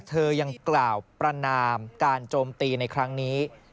เธอยังกล่าวประนามการโจมตีในครั้งนี้